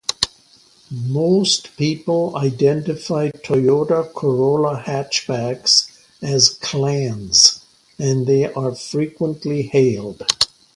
Most people identify Toyota Corolla hatchbacks as clans and they are frequently hailed.